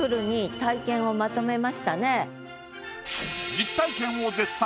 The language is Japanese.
実体験を絶賛！